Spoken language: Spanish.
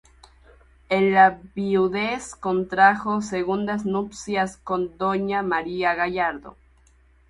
En la viudez contrajo segundas nupcias con Doña María Gallardo.